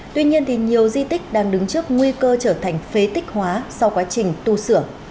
tuy nhiên nhiều di tích đang đứng trước nguy cơ trở thành phế tích hóa sau quá trình tu sửa